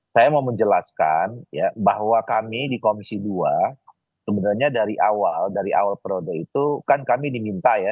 saya mau menjelaskan ya bahwa kami di komisi dua sebenarnya dari awal dari awal periode itu kan kami diminta ya